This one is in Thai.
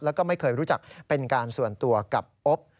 แล้วก็ไม่เคยรู้จักเป็นการส่วนตัวกับอบ